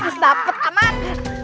mas dapet aman